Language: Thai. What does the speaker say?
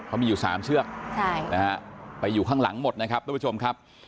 เขามีอยู่สามเชือกใช่นะฮะไปอยู่ข้างหลังหมดนะครับท่านผู้ชมครับ